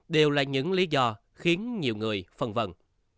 đều là những lý do khiến nhiều người phân vân